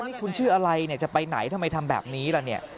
นี่คุณชื่ออะไรจะไปไหนทำไมทำแบบนี้ล่ะ